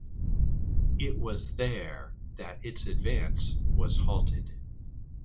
It was there that its advance was halted.